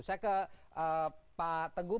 saya ke pak teguh